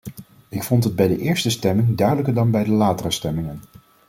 Ik vond het bij de eerste stemming duidelijker dan bij de latere stemmingen.